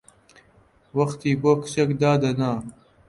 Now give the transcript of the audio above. وەختی بۆ کچێک دادەنا!